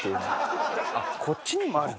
あっこっちにもある。